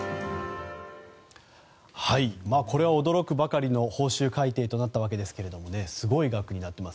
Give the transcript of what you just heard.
これは驚くばかりの報酬改定となったわけですがすごい額になります。